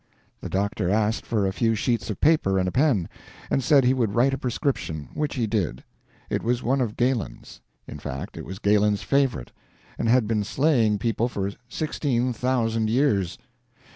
The doctor asked for a few sheets of paper and a pen, and said he would write a prescription; which he did. It was one of Galen's; in fact, it was Galen's favorite, and had been slaying people for sixteen thousand years.